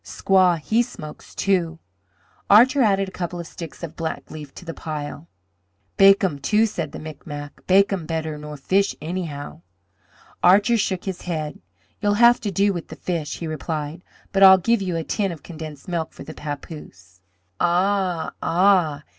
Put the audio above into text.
"Squaw, he smoke, too." Archer added a couple of sticks of the black leaf to the pile. "Bacum, too," said the Micmac. "Bacum better nor fish, anyhow." Archer shook his head. "You'll have to do with the fish," he replied; "but I'll give you a tin of condensed milk for the papoose." "Ah, ah!